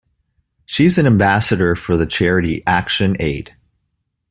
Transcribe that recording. She is an ambassador for the charity Action Aid.